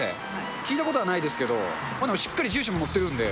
聞いたことはないですけど、でもしっかり住所載ってるんで。